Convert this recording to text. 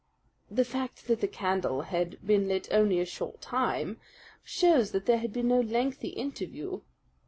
The fact that the candle had been lit only a short time shows that there had been no lengthy interview.